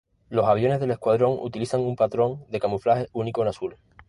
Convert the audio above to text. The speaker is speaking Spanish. Los aviones del escuadrón, utilizan un patrón de camuflaje único en azul.